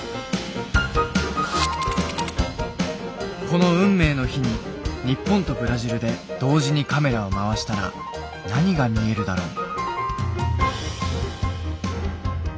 この運命の日に日本とブラジルで同時にカメラを回したら何が見えるだろう？